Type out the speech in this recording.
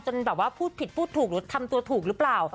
แบบว่าพูดผิดพูดถูกหรือทำตัวถูกหรือเปล่า